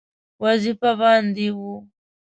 وظیفه باندې وو.